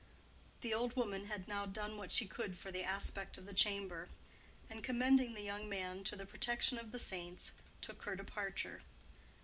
The old woman had now done what she could for the aspect of the chamber; and, commending the young man to the protection of the saints, took her departure.